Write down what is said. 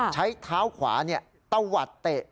ใช้เท้าขวาเต้าวัตต์เตอ